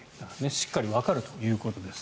しっかりわかるということです。